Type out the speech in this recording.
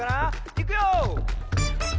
いくよ！